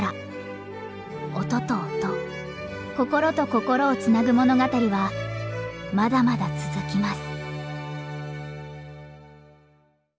音と音心と心をつなぐ物語はまだまだ続きます。